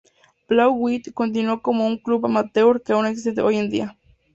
Blauw-Wit continuó como un club amateur, que aún existe hoy en día.